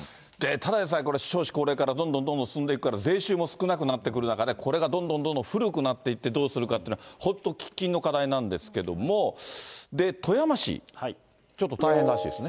ただでさえ、これ、少子高齢化で、どんどんどんどん進んでいくから、税収も少なくなってくる中で、これがどんどんどんどん古くなっていって、どうするかっていうのは、本当に喫緊の課題なんですけれども、富山市、ちょっと大変らしいですね。